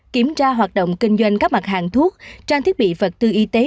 kiểm tra hoạt động kinh doanh các mặt hàng thuốc trang thiết bị vật tư y tế